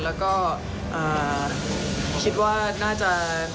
แล้วก็คิดว่าน่าจะ